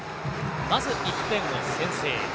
まず１点を先制。